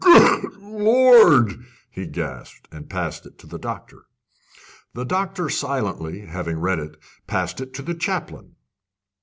"Good Lord!" he gasped, and passed it to the doctor. The doctor silently, having read it, passed it to the chaplain.